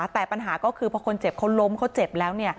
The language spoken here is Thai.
แต่ปัญหาก็คือพอคนเจ็บเขาล้มเขาเจ็บแล้ว